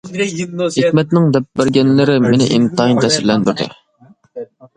ھېكمەتنىڭ دەپ بەرگەنلىرى مېنى ئىنتايىن تەسىرلەندۈردى.